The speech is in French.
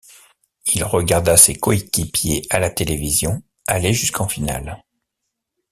Il regarda ses coéquipiers à la télévision aller jusqu'en finale.